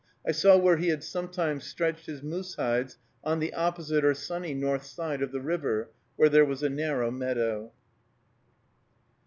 I saw where he had sometimes stretched his moose hides on the opposite or sunny north side of the river, where there was a narrow meadow.